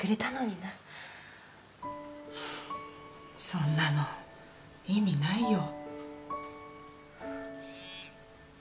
そんなの意味ないよ。